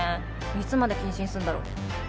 いつまで謹慎すんだろ